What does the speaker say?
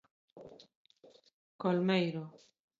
Colmeiro.